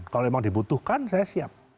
kalau memang dibutuhkan saya siap